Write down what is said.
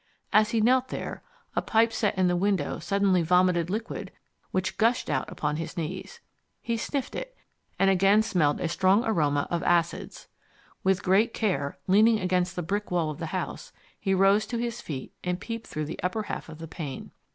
As he knelt there, a pipe set in the wall suddenly vomited liquid which gushed out upon his knees. He sniffed it, and again smelled a strong aroma of acids. With great care, leaning against the brick wall of the house, he rose to his feet and peeped through the upper half of the pane.